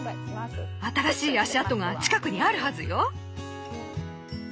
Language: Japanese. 新しい足跡が近くにあるはずよ。